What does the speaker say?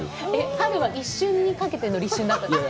春は一瞬にかけての立春だったんですか？